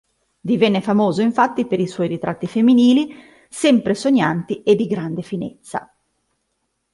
Divenne famoso, infatti, per i suoi ritratti femminili, sempre sognanti e di grande finezza.